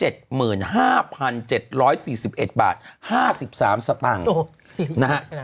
โฮเรียกได้ล่ะนะ